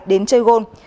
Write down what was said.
đến chơi gôn